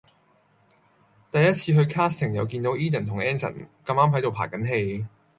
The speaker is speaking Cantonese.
第一次去 casting 又見到 Edan 同 Anson 咁啱喺度排緊戲